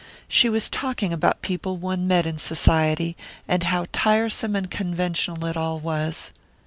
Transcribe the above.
She was talking about people one met in Society, and how tiresome and conventional it all was.